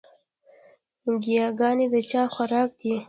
ګياګانې د چا خوراک دے؟